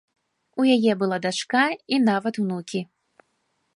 У яе была дачка і нават унукі.